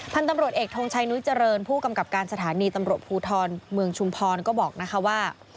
ตำรวจเอกทงชัยนุ้ยเจริญผู้กำกับการสถานีตำรวจภูทรเมืองชุมพรก็บอกนะคะว่า